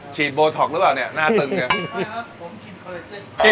โบท็อกหรือเปล่าเนี่ยหน้าตึงเนี่ย